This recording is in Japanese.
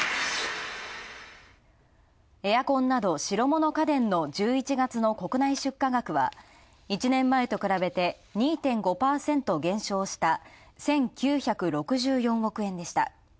エアコンなど、白物家電の１１月の国内出荷額は１年前と比べて、２．５％減少した、１９６４億円でした。